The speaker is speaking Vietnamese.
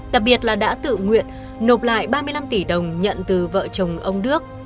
đặc biệt là đã tự nguyện nộp lại ba mươi năm tỷ đồng nhận từ vợ chồng ông đức